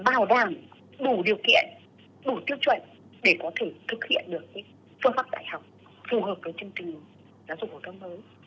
bảo đảm đủ điều kiện đủ tiêu chuẩn để có thể thực hiện được phương pháp đại học phù hợp với chương trình giáo dục phổ thông mới